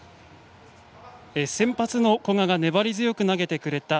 先発の古賀が粘り強く投げてくれた。